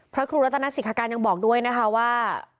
พระครูรัตนสิทธการยังบอกด้วยนะคะว่า